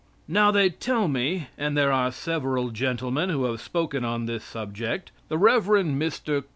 Now, they tell me and there are several gentlemen who have spoken on this subject the Rev. Mr.